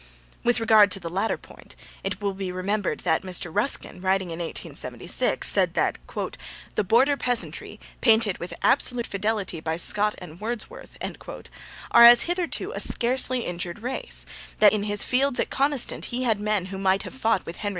With regard to the latter point, it will be remembered that Mr. Ruskin, writing in 1876, said that 'the Border peasantry, painted with absolute fidelity by Scott and Wordsworth,' are, as hitherto, a scarcely injured race; that in his fields at Coniston he had men who might have fought with Henry V.